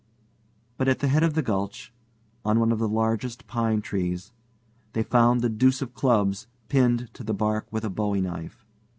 But at the head of the gulch, on one of the largest pine trees, they found the deuce of clubs pinned to the bark with a bowie knife.